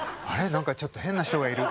何かちょっと変な人がいる。